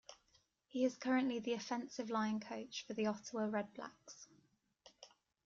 He is currently the offensive line coach for the Ottawa Redblacks.